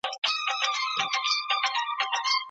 د ناروغ محرمیت څنګه ساتل کیږي؟